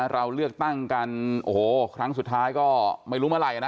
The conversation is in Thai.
เราเลือกตั้งกันโอ้โหครั้งสุดท้ายก็ไม่รู้เมื่อไหร่นะ